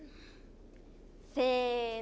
せの。